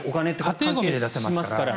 家庭ゴミで出せますから。